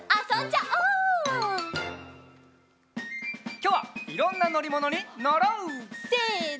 きょうはいろんなのりものにのろう！せの。